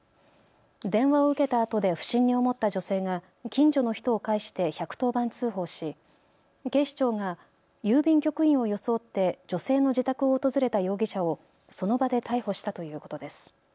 電話を受けたあとで不審に思った女性が近所の人を介して１１０番通報し警視庁が郵便局員を装って女性の自宅を訪れた容疑者をその場で逮捕したということです。